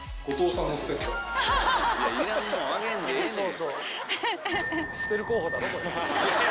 いらんもんあげんでええねん。